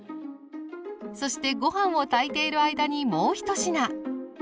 そしてご飯を炊いている間にもう一品。